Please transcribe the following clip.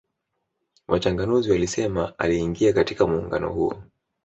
Wachanganuzi walisema aliingia katika muungano huo